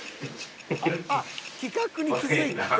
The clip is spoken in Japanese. ［あっ企画に気付いて］